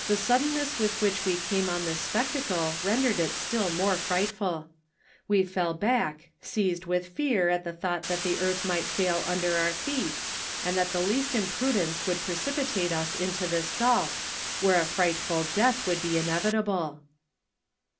The suddenness with which we came on this spec¬ tacle rendered it still more frightful. We fell back, seized with fear at the thought that the earth might fail under our feet, and that the least im¬ prudence would precipitate us into this gulf, where a frightful death would be inevitable.